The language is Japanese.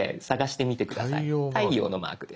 太陽のマークです。